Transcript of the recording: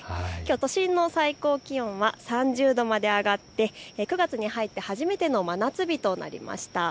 都心の最高気温は３０度まで上がって９月に入って初めての真夏日となりました。